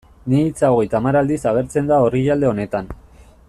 Ni hitza hogeita hamar aldiz agertzen da orrialde honetan.